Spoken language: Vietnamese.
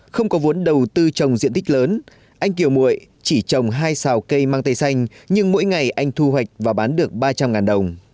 không có vốn đầu tư trồng diện tích lớn anh kiều mụi chỉ trồng hai xào cây mang tây xanh nhưng mỗi ngày anh thu hoạch và bán được ba trăm linh đồng